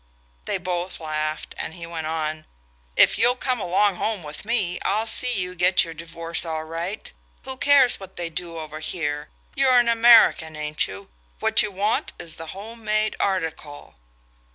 They both laughed, and he went on: "If you'll come along home with me I'll see you get your divorce all right. Who cares what they do over here? You're an American, ain't you? What you want is the home made article."